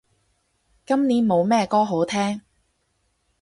今年冇咩歌好聼